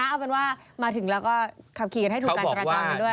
เอาเป็นว่ามาถึงแล้วก็ขับขี่กันให้ถูกการจราจรไปด้วย